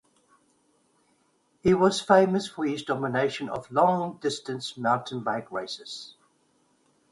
He was famous for his domination of long distance mountain bike races.